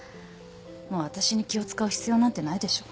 もう私に気を使う必要なんてないでしょ。